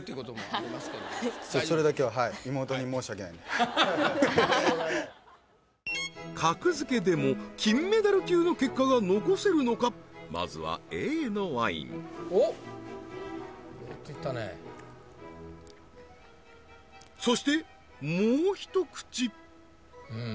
はっ格付けでも金メダル級の結果が残まずはＡのワインおっそしてもうひと口うん